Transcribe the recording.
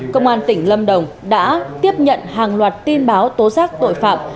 công an tỉnh lâm đồng đã tiếp nhận hàng loạt tin báo tố giác tội phạm